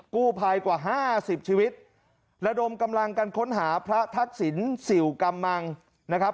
กู้ภัยกว่าห้าสิบชีวิตระดมกำลังกันค้นหาพระทักษิณสิวกำมังนะครับ